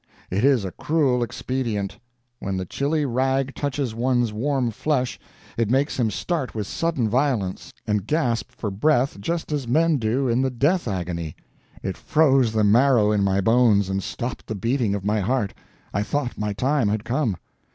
It is a cruel expedient. When the chilly rag touches one's warm flesh, it makes him start with sudden violence, and gasp for breath just as men do in the death agony. It froze the marrow in my bones and stopped the beating of my heart. I thought my time had come.